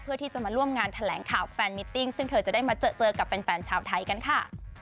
เพื่อที่จะมาร่วมงานแถลงข่าวแฟนมิตติ้งซึ่งเธอจะได้มาเจอกับแฟนชาวไทยกันค่ะ